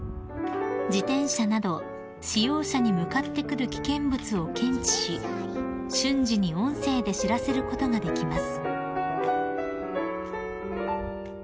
［自転車など使用者に向かってくる危険物を検知し瞬時に音声で知らせることができます］